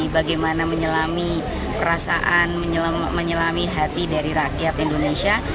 bagaimana menyelami perasaan menyelami hati dari rakyat indonesia